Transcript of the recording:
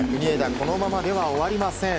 このままでは終わりません。